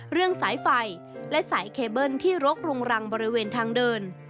เรื่องสายไฟและสายเคเบิ้ลที่รกรุงรังบริเวณทางเดิน